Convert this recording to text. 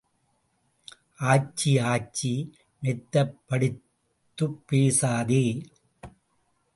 ஆச்சி, ஆச்சி, மெத்தப் படித்துப் பேசாதே.